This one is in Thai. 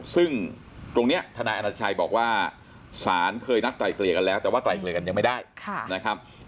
ซึ่งตรงนี้ทนายอนัญชัยบอกว่าศาลเคยนัดไกลเกลี่ยกันแล้วแต่ว่าไกลเกลี่ยกันยังไม่ได้นะครับ